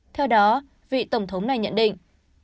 theo đó vị tổng thống này nhận định